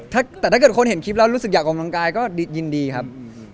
แต่ถ้าเกิดคนเห็นคลิปแล้วรู้สึกอยากออกกำลังกายก็ยินดีครับ